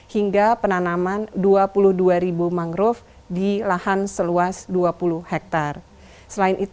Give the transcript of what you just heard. hingga penanaman dua puluh dua mangrove di lahan seluas dua puluh hektare